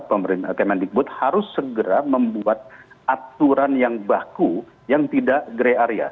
pemerintah kementerian dikbut harus segera membuat aturan yang baku yang tidak grey area